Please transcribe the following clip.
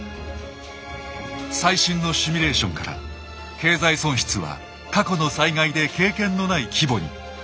最新のシミュレーションから経済損失は過去の災害で経験のない規模に。